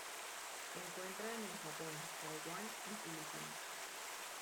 Se encuentra en el Japón Taiwán y Filipinas.